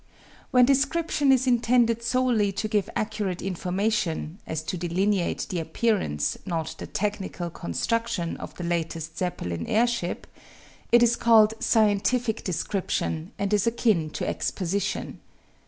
When description is intended solely to give accurate information as to delineate the appearance, not the technical construction, of the latest Zeppelin airship it is called "scientific description," and is akin to exposition.